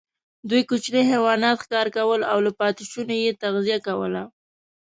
دوی کوچني حیوانات ښکار کول او له پاتېشونو یې تغذیه کوله.